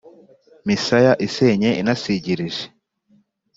misaya isennye inasigirije